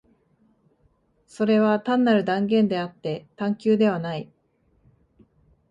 それは単なる断言であって探求ではない。